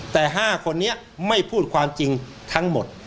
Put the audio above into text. แต่๕คนนี้ไม่พูดความจริงทั้งหมด